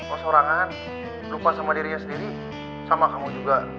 oh seorangan lupa sama dirinya sendiri sama kamu juga